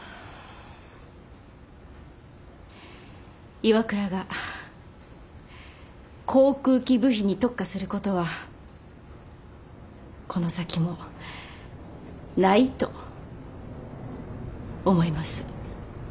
ＩＷＡＫＵＲＡが航空機部品に特化することはこの先もないと思います。